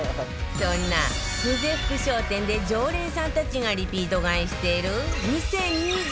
そんな久世福商店で常連さんたちがリピート買いしている２０２３年